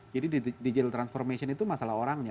jadi digital transformation itu masalah orangnya